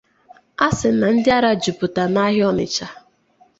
A sị na ndị ara juputa n'ahịa Ọnịsha